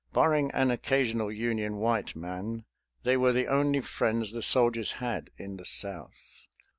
Barring an occasional Union white man, they were the only friends the soldiers had in the South.